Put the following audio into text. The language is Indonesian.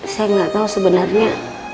saya gak tahu sebenarnya